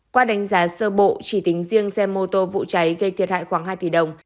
qua đánh giá sơ bộ chỉ tính riêng xe mô tô vụ cháy gây thiệt hại khoảng hai tỷ đồng